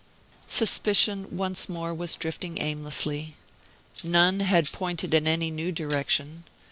Suspicion once more was drifting aimlessly. None had pointed in any new direction.